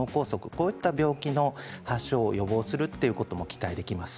こういった病気の発症を予防するということも期待できます。